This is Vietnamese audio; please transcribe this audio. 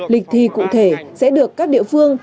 lịch thi cụ thể sẽ được các địa phương